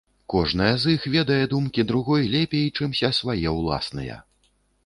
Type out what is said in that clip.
Кожная з іх ведае думкі другой лепей, чымся свае ўласныя.